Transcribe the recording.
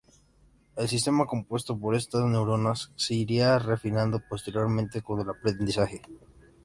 El sistema compuesto por estas neuronas se iría refinando posteriormente, con el aprendizaje.